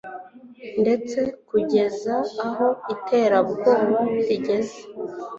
Ndetse kugeza aho iterabwoba rigeze